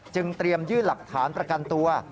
เตรียมยื่นหลักฐานประกันตัว